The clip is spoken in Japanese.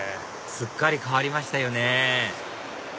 すっかり変わりましたよね